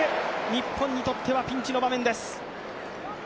日本にとってはピンチの場面です。